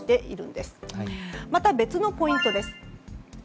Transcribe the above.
また、別のポイントです。